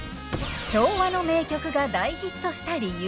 昭和の名曲が大ヒットした理由。